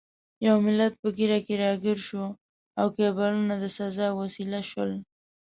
ټول ملت په ږیره کې راګیر شو او کیبلونه د سزا وسیله شول.